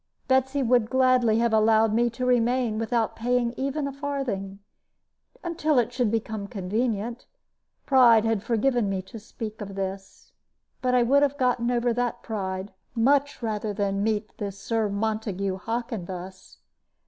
Betsy would gladly have allowed me to remain, without paying even a farthing, until it should become convenient. Pride had forbidden me to speak of this; but I would have got over that pride much rather than meet this Sir Montague Hockin thus.